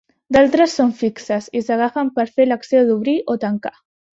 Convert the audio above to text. D'altres són fixes i s'agafen per fer l'acció d'obrir o tancar.